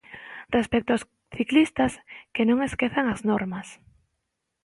Respecto aos ciclistas, que non esquezan as normas.